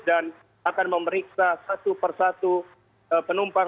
dan akan memeriksa satu persatu penumpang